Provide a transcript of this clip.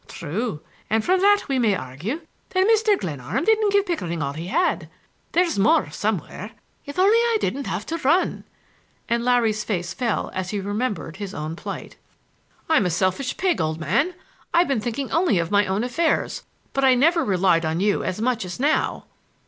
"True; and from that we may argue that Mr. Glenarm didn't give Pickering all he had. There's more somewhere. If only I didn't have to run—" and Larry's face fell as he remembered his own plight. "I'm a selfish pig, old man! I've been thinking only of my own affairs. But I never relied on you as much as now!"